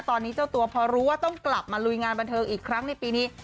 ตอนนี้เจ้าตัวพอรู้ว่าต้องกลับมาลุยงานบันเทิงอีกครั้งในปีนี้